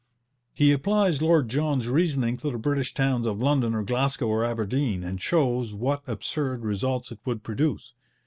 ' He applies Lord John's reasoning to the British towns of London or Glasgow or Aberdeen, and shows what absurd results it would produce.